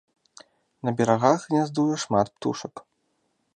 На берагах гняздуе шмат птушак.